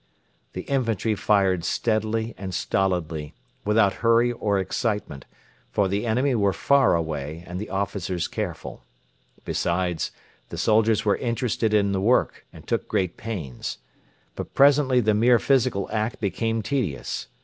The infantry fired steadily and stolidly, without hurry or excitement, for the enemy were far away and the officers careful. Besides, the soldiers were interested in the work and took great pains. But presently the mere physical act became tedious.